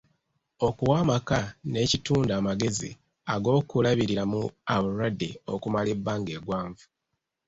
Okuwa amaka n’ekitundu amagezi ag’okulabiriramu abalwadde okumala ebbanga eggwanvu.